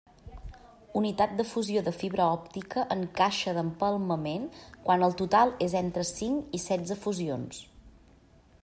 Unitat de fusió de fibra òptica en caixa d'empalmament quan el total és entre cinc i setze fusions.